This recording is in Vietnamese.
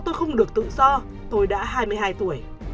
tôi không được tự do tôi đã hai mươi hai tuổi